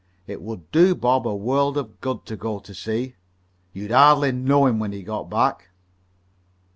It would do Bob a world of good to go to sea. You'd hardly know him when he got back."